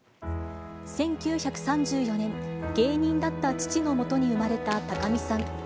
１９３４年、芸人だった父のもとに生まれた高見さん。